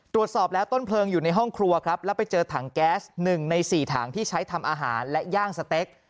ตรวจสอบแล้วต้นเพลิงอยู่ในห้องครัวครับแล้วไปเจอถังแก๊ส๑ใน๔ถังที่ใช้ทำอาหารและย่างสเต็ก